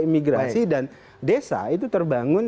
imigrasi dan desa itu terbangun